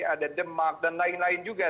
ada demak dan lain lain juga